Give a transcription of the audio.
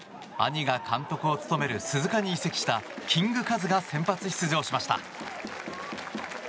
兄が監督を務める鈴鹿に移籍したキングカズが先発出場しました。